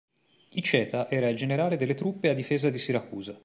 Iceta era il generale delle truppe a difesa di Siracusa.